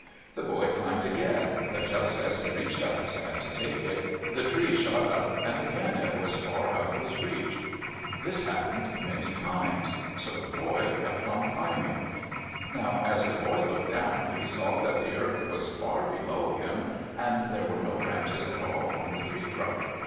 The boy climbed again, but just as he reached out his hand to take it, the tree shot up and again it was far out of his reach. This happened many times. So the boy kept on climbing. Now as the boy looked down, he saw that the earth was far below him, and there were no branches at all on the tree trunk.